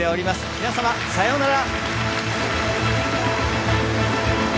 皆様さようなら。